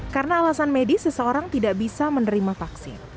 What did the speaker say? karena alasan medis seseorang tidak bisa menerima vaksin